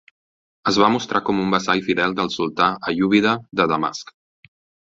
Es va mostrar com un vassall fidel del sultà aiúbida de Damasc.